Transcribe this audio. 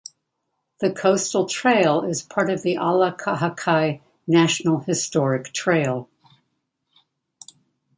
The coastal trail is part of the Ala Kahakai National Historic Trail.